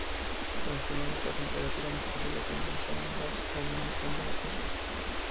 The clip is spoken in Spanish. Por encima de esta temperatura no es posible condensar un gas aumentando la presión.